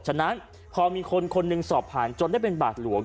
ฉะนั้นพอมีคนคนหนึ่งสอบผ่านจนได้เป็นบาทหลวง